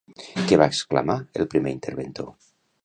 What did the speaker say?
Què va exclamar el primer interventor?